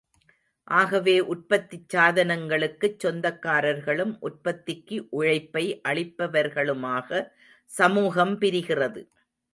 ஆகவே உற்பத்திச் சாதனங்களுக்குச் சொந்தக்காரர்களும், உற்பத்திக்கு உழைப்பை அளிப்பவர்களுமாக சமூகம் பிரிகிறது.